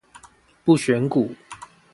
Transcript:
不選股